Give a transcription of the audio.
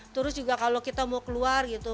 terus juga kalau kita mau keluar gitu